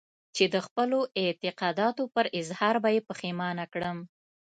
چې د خپلو اعتقاداتو پر اظهار به يې پښېمانه کړم.